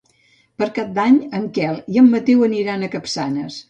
Per Cap d'Any en Quel i en Mateu aniran a Capçanes.